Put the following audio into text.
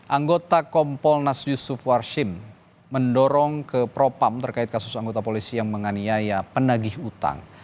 anggota kompolnas yusuf warshim mendorong ke propam terkait kasus anggota polisi yang menganiaya penagih utang